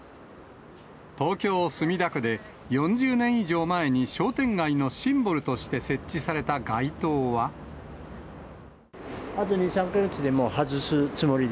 東京・墨田区で４０年以上前に、商店街のシンボルとして設置されあと２、３か月で、もう外すつもりで。